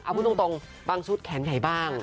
เอาพูดตรงบางชุดแขนใหญ่บ้าง